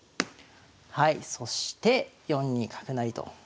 はいそして４二角成と。